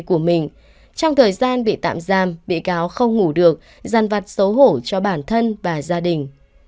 của mình trong thời gian bị tạm giam bị cáo không ngủ được giàn vặt xấu hổ cho bản thân và gia đình